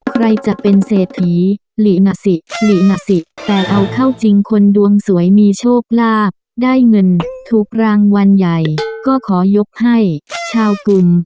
ใครจะเป็นเศรษฐีหลีนสิหลีนสิแต่เอาเข้าจริงคนดวงสวยมีโชคลาภได้เงินถูกรางวัลใหญ่ก็ขอยกให้ชาวกลุ่ม